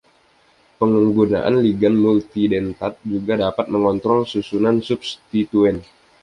Penggunaan ligan multidentat juga dapat mengontrol susunan substituen.